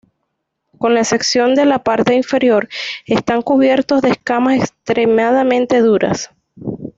Con la excepción de la parte inferior, están cubiertos de escamas extremadamente duras.